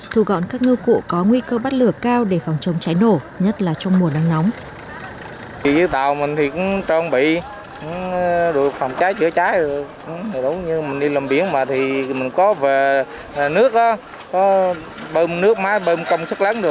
thu gọn các ngư cụ có nguy cơ bắt lửa cao để phòng chống cháy nổ nhất là trong mùa nắng nóng